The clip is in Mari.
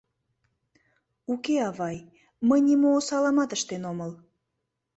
— Уке, авай, мый нимо осалымат ыштен омыл